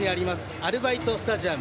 アルバイトスタジアム。